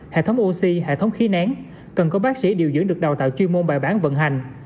hệ thống oxy hệ thống khí nén cần có bác sĩ điều dưỡng được đào tạo chuyên môn bài bản vận hành